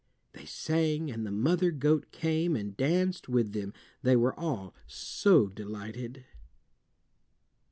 they sang, and the mother goat came and danced with them, they were all so delighted.